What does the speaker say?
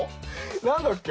何だっけ？